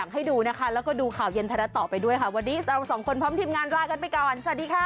ในทุกช่องทางออนไลน์